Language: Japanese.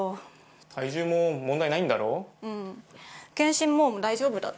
体重も問題ないんだろ？